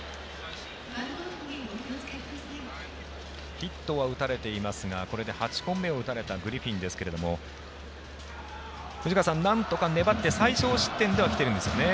ヒットは打たれていますがこれで８本目を打たれたグリフィンですけれども藤川さん、なんとか粘って最少失点ではきてるんですよね。